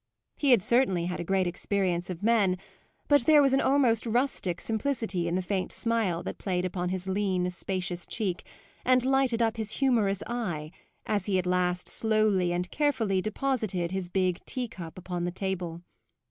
He had certainly had a great experience of men, but there was an almost rustic simplicity in the faint smile that played upon his lean, spacious cheek and lighted up his humorous eye as he at last slowly and carefully deposited his big tea cup upon the table.